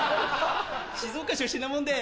静岡出身なもんで。